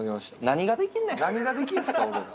何ができんねん。